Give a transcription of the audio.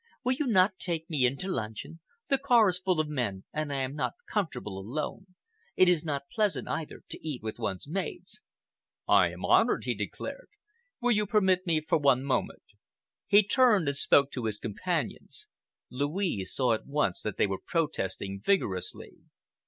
"Will you not take me in to luncheon? The car is full of men and I am not comfortable alone. It is not pleasant, either, to eat with one's maids." "I am honored," he declared. "Will you permit me for one moment?" He turned and spoke to his companions. Louise saw at once that they were protesting vigorously.